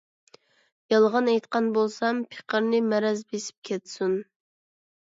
يالغان ئېيتقان بولسام، پېقىرنى مەرەز بېسىپ كەتسۇن.